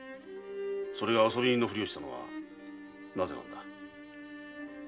それが遊び人のふりをしたのはなぜなんだ？